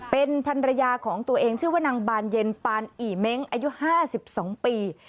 เป็นภรรยาของตัวเองชื่อว่านางบานเย็นปานอีเม้งอายุ๕๒ปี